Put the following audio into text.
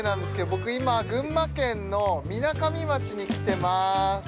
僕、今、群馬県のみなかみ町に来てます。